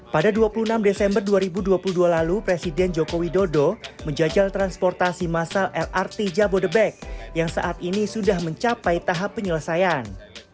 pada dua puluh enam desember dua ribu dua puluh dua lalu presiden joko widodo menjajal transportasi masal lrt jabodebek yang saat ini sudah mencapai tahap penyelesaian